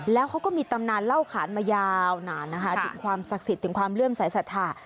แล้วเขาก็มีตำนานเล่าขานมายาวนานนะคะถึงความศักดิ์สิทธิ์ถึงความเลื่อมสายศรัทธา